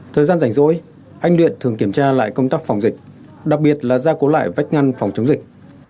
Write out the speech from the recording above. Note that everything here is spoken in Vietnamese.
thời gian rảnh rỗi anh luyện thường kiểm tra lại công tác phòng dịch đặc biệt là gia cố lại vách ngăn phòng chống dịch